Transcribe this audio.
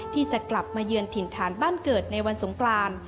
ที่จะกลับมาเยือนถิ่นฐานบ้านเกิดในวันสงกราน